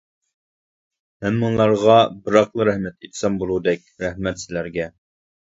ھەممىڭلارغا بىراقلا رەھمەت ئېيتسام بولغۇدەك، رەھمەت سىلەرگە!